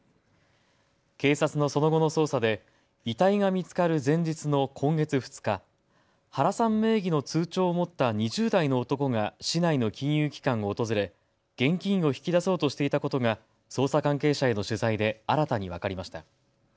警察のその後の捜査で遺体が見つかる前日の今月２日、原さん名義の通帳を持った２０代の男が市内の金融機関を訪れ現金を引き出そうとしていたことが捜査関係者への取材で新たに分かりました。